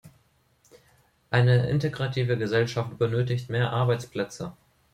Eine integrative Gesellschaft benötigt mehr Arbeitsplätze.